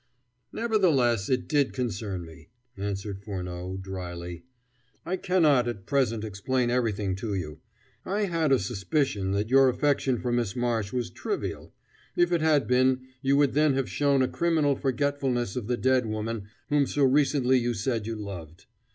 "Nevertheless, it did concern me," answered Furneaux dryly; "I cannot, at present, explain everything to you. I had a suspicion that your affection for Miss Marsh was trivial: if it had been, you would then have shown a criminal forgetfulness of the dead woman whom so recently you said you loved.